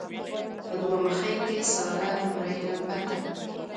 په دوه مخۍ کې ساره لمړی لمبر ده.